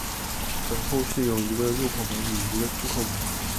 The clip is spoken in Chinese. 等候室有一个入口门与一个出口门。